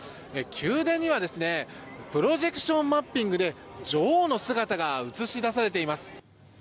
宮殿にはプロジェクションマッピングで女王の姿が映し出されています。